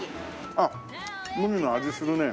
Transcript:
あっ麦の味するね。